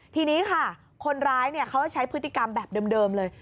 ทีนี้ค่ะคนร้ายเขาจะใช้พฤติกรรมแบบเดิมเลย